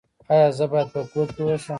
ایا زه باید په کور کې اوسم؟